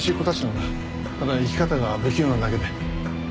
ただ生き方が不器用なだけで。